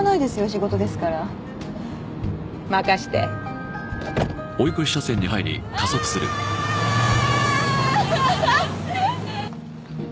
仕事ですから任してああー！